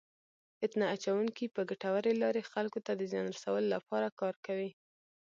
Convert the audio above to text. فتنه اچونکي په ګټورې لارې خلکو ته د زیان رسولو لپاره کار کوي.